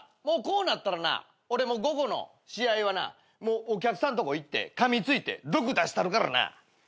もうこうなったらな俺も午後の試合はなお客さんとこ行ってかみついて毒出したるからな。